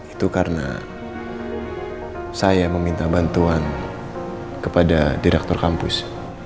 itu karena saya meminta bantuan kepada direktur kampus